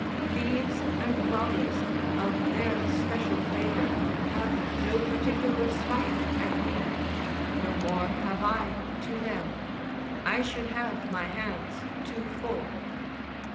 Thieves and robbers, of their special favour, have no particular spite at me; no more have I to them: I should have my hands too full.